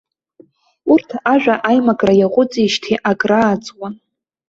Урҭ ажәа аимакра иаҟәыҵижьҭеи акрааҵуан.